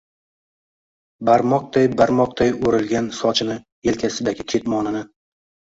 barmoqday-barmoqday oʼrilgan sochini, yelkasidagi ketmonini